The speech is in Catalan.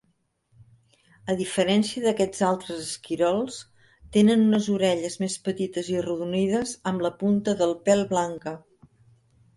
A diferència d'aquests altres esquirols, tenen unes orelles més petites i arrodonides amb la punta del pèl blanca.